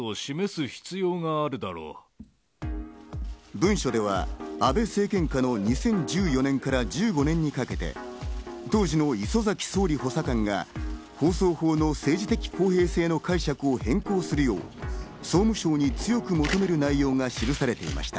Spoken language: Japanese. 文書では安倍政権下の２０１４年から１５年にかけて、当時の礒崎総理補佐官が放送法の政治的公平性の解釈を変更するよう総務省に強く求める内容が記されていました。